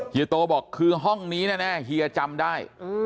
เยโตบอกคือห้องนี้แน่เฮียจำได้